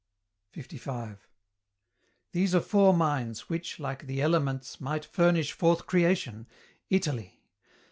LV. These are four minds, which, like the elements, Might furnish forth creation: Italy!